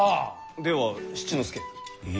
では七之助。え。